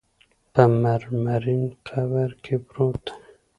په مرمرین قبر کې پروت دی.